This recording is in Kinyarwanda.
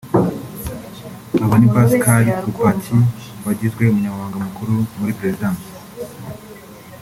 Abo ni Pascal Koupaki wagizwe umunyamabanga mukuru muri Prezidansi